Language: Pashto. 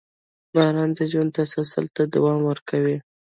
• باران د ژوند تسلسل ته دوام ورکوي.